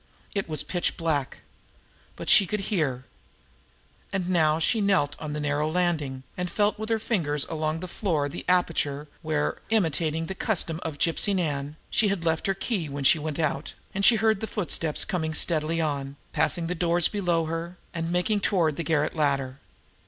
It was pitch black. But she could hear. And as she knelt now on the narrow landing, and felt with her fingers along the floor for the aperture, where, imitating the custom of Gypsy Nan, she had left her key when she went out, she heard the footsteps coming steadily on, passing the doors below her, and making toward the garret ladder.